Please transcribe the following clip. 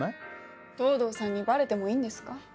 東堂さんにバレてもいいんですか？